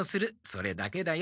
それだけだよ。